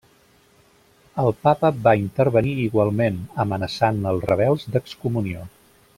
El papa va intervenir igualment, amenaçant els rebels d'excomunió.